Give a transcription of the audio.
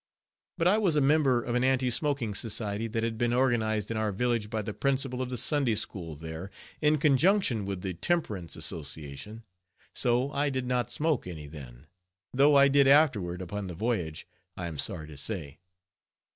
But I was a member of an Anti Smoking Society that had been organized in our village by the Principal of the Sunday School there, in conjunction with the Temperance Association. So I did not smoke any then, though I did afterward upon the voyage, I am sorry to say.